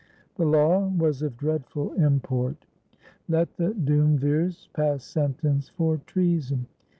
The law was of dreadful im port. "Let the duumvirs pass sentence for treason.